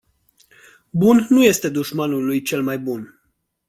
Bun nu este dușmanul lui cel mai bun.